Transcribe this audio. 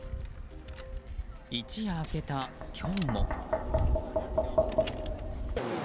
一夜明けた今日も。